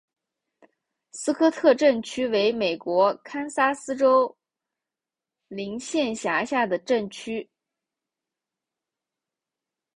斯科特镇区为美国堪萨斯州林县辖下的镇区。